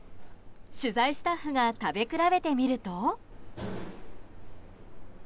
取材スタッフが食べ比べてみると。